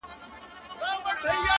چي د ويښتانو په سرونو به يې مار وتړی!!